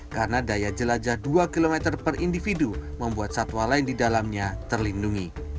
karena daya jelajah dua km per individu membuat satwa lain di dalamnya terlindungi